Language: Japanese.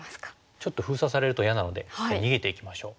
ちょっと封鎖されると嫌なので逃げていきましょう。